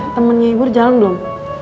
temennya ibu jalan belum